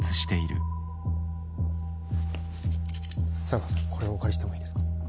茶川さんこれをお借りしてもいいですか？